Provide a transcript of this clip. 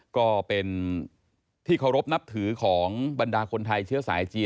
ก็เป็นที่เคารพนับถือของบรรดาคนไทยเชื้อสายจีน